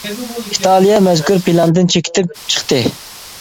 ئىتالىيە مەزكۇر پىلاندىن چېكىنىپ چىقتى.